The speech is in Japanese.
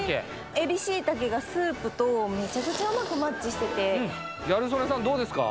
エビしいたけがスープとメチャクチャうまくマッチしててギャル曽根さんどうですか？